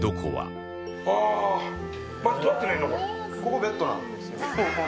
ここベッドなんですけど。